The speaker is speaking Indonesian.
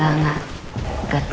gak gak gak